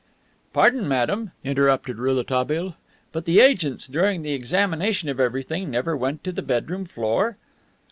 "Pardon, madame," interrupted Rouletabille, "but the agents, during the examination of everything, never went to the bedroom floor?"